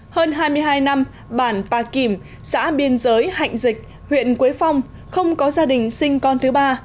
hơn hai mươi hai năm bản pà kìm xã biên giới hạnh dịch huyện quế phong không có gia đình sinh con thứ ba